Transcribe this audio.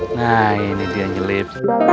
nah ini dia nyelip